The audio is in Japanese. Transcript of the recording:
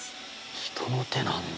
人の手なんだ。